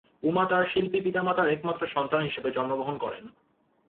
উমা তার শিল্পী পিতা-মাতার একমাত্র সন্তান হিসেবে জন্মগ্রহণ করেন।